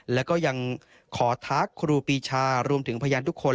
แล้วก็ยังขอทักครูปีชารวมถึงพยานทุกคน